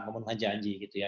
memenuhi janji gitu ya